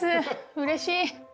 うれしい。